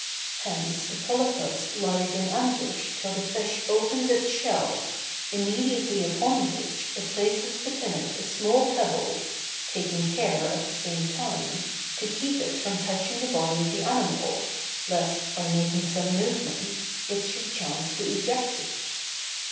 Hence the polypus lies in ambush till the fish opens its shell, immediately upon which, it places within it a small pebble, taking care, at the same time, to keep it from touching the body of the animal, lest, by making some movement, it should chance to eject it.